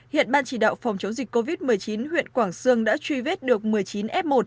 hiện ban chỉ đạo phòng chống dịch covid một mươi chín huyện quảng sương đã truy vết được một mươi chín f một